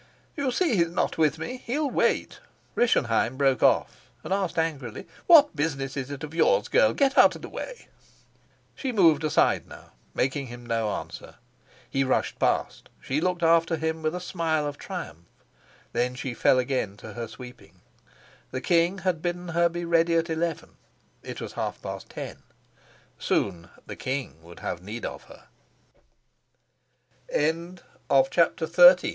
"You see he's not with me. He'll wait." Rischenheim broke off and asked angrily: "What business is it of yours, girl? Get out of the way!" She moved aside now, making him no answer. He rushed past; she looked after him with a smile of triumph. Then she fell again to her sweeping. The king had bidden her be ready at eleven. It was half past ten. Soon the king would have need of her. CHAPTER XIV.